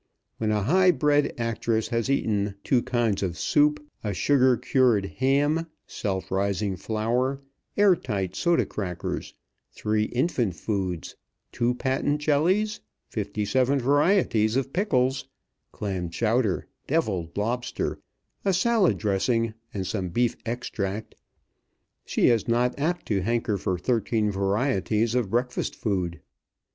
When a high bred actress has eaten two kinds of soup, a sugar cured ham, self rising flour, air tight soda crackers, three infant foods, two patent jellies, fifty seven varieties of pickles, clam chowder, devilled lobster, a salad dressing, and some beef extract, she is not apt to hanker for thirteen varieties of breakfast food.